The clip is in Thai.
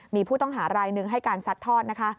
มีผู้ต้องหารายหนึ่งให้การซัดทอดนะคะ